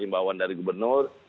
bawaan dari gubernur